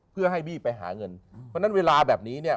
เพื่อให้บี้ไปหาเงินเพราะฉะนั้นเวลาแบบนี้เนี่ย